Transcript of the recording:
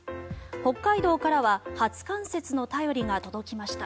北海道からは初冠雪の便りが届きました。